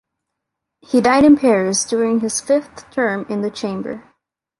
He died in Paris during his fifth term in the Chamber.